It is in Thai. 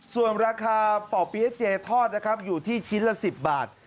ส่วนราคาป่อเปี๊ยะเจทอดนะครับอยู่ที่ชิ้นละ๑๐บาท